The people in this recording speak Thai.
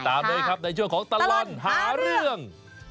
ติดตามด้วยในช่วงของตลหาเรื่อง